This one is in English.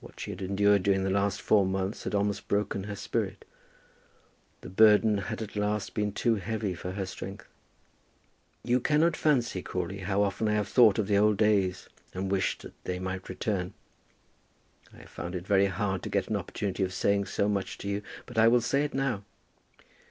What she had endured during the last four months had almost broken her spirit. The burden had at last been too heavy for her strength. "You cannot fancy, Crawley, how often I have thought of the old days and wished that they might return. I have found it very hard to get an opportunity of saying so much to you; but I will say it now."